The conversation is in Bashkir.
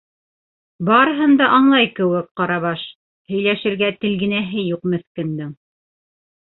Барыһын да аңлай кеүек Ҡарабаш - һөйләшергә телгенәһе юҡ меҫкендең...